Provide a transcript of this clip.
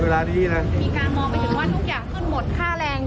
มีการมองไปถึงว่าทุกอย่างขึ้นหมดค่าแรง